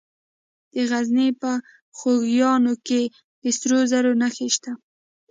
د غزني په خوږیاڼو کې د سرو زرو نښې شته.